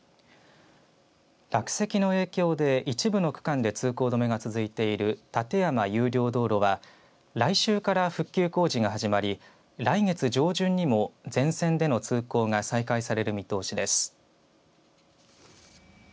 落石の影響で一部の区間で通行止めが続いている立山有料道路は来週から復旧工事が始まり来月上旬にも全線での通行が再開される見通しです。